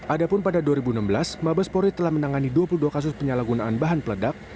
adapun pada dua ribu enam belas mabespori telah menangani dua puluh dua kasus penyalahgunaan bahan peledak